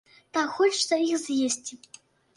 Так хочацца іх з'есці.